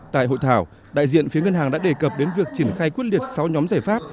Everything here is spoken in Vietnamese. tại hội thảo đại diện phía ngân hàng đã đề cập đến việc triển khai quyết liệt sáu nhóm giải pháp